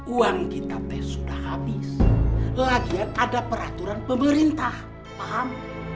uang kita teh sudah habis lagian ada peraturan pemerintah paham